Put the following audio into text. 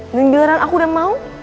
dan bila aku udah mau